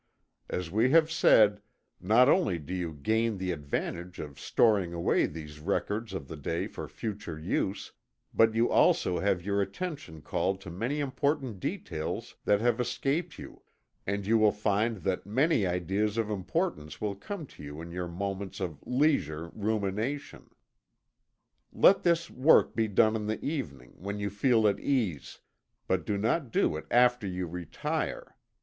As we have said, not only do you gain the advantage of storing away these records of the day for future use, but you also have your attention called to many important details that have escaped you, and you will find that many ideas of importance will come to you in your moments of leisure "rumination." Let this work be done in the evening, when you feel at ease but do not do it after you retire.